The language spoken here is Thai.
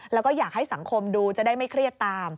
แล้วก็อยากให้สังคมดูจะได้ไม่เครียดตาม